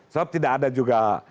sob tidak ada juga